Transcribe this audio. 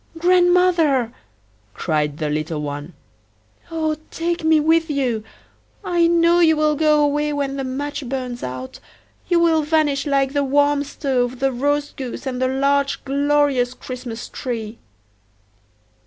"Grandmother," cried the little one, "O take me with you; I know you will go away when the match burns out; you will vanish like the warm stove, the roast goose, and the large, glorious Christmas tree."